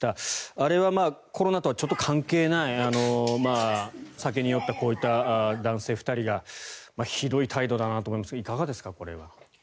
あれはコロナとはちょっと関係ない酒に酔った男性２人がひどい態度だなと思いますがいかがですか、これは。